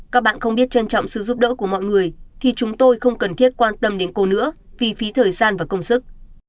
các bạn không biết trân trọng sự giúp đỡ của mọi người thì chúng tôi không cần thiết quan tâm đến cô nữa vì phí thời gian và công sức